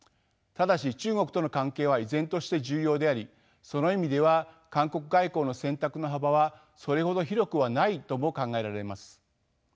ただし中国との関係は依然として重要でありその意味では韓国外交の選択の幅はそれほど広くはないとも考えられます。